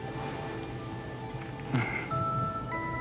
うん。